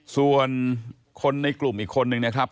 ส่วนคนในกลุ่มอีกคนนึงนะครับ